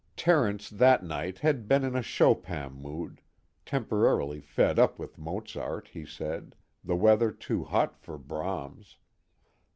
Terence that night had been in a Chopin mood; temporarily fed up with Mozart, he said, the weather too hot for Brahms.